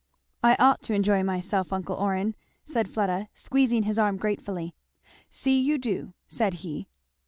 "I ought to enjoy myself, uncle Orrin," said Fleda, squeezing his arm gratefully. "See you do," said he.